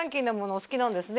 お好きなんですね